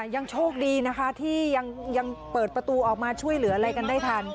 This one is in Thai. ยังโชคดีนะคะที่ยังเปิดประตูออกมาช่วยเหลืออะไรกันได้ทัน